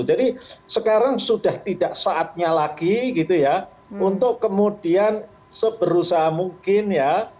jadi sekarang sudah tidak saatnya lagi gitu ya untuk kemudian seberusaha mungkin ya